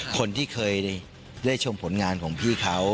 คนที่เคยได้ชมผลงานของพี่เขา